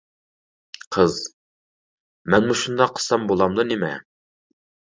قىز: مەنمۇ شۇنداق قىلسام بولامدۇ نېمە.